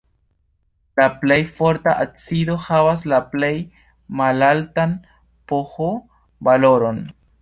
La plej forta acido havas la plej malaltan pH-valoron.